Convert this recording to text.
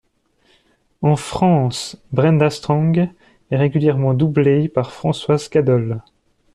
En France, Brenda Strong est régulièrement doublée par Françoise Cadol.